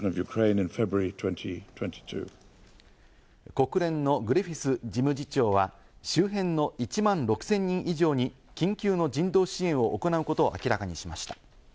国連のグリフィス事務次長は周辺の１万６０００人以上に緊急の人道支援を行うことを明らかにしました。